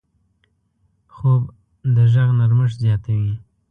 خوب د غږ نرمښت زیاتوي